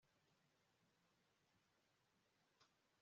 kandi kikorohereza abashoramari muri urwo rwego